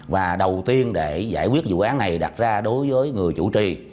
và đầu tiên để giải quyết vụ án này đặt ra đối với người chủ trì